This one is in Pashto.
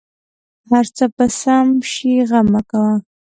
هر څه به سم شې غم مه کوه